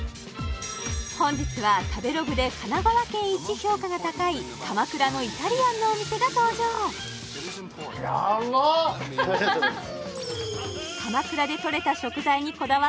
本日は食べログで神奈川県一評価が高い鎌倉のイタリアンのお店が登場を堪能します